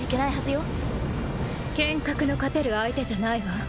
剣客の勝てる相手じゃないわ。